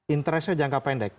interesnya jangka pendek